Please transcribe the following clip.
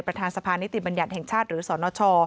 ประธานสภานิติบัญญัติแห่งชาติหรือสนช